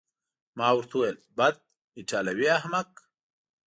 ما ورته وویل: بد، ایټالوی احمق.